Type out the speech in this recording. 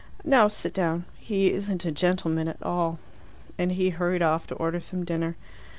Now, sit down. He isn't a gentleman at all." And he hurried off to order some dinner.